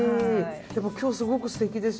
でも今日すごくすてきです。